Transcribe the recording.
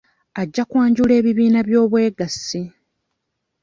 Ajja kwanjula ebibiina by'obwegassi.